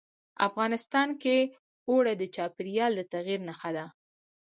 افغانستان کې اوړي د چاپېریال د تغیر نښه ده.